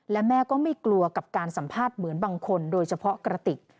และแม่ก็ไม่กลัวกับการสัมภาษณ์เหมือนบางคนโดยเฉพาะกระติก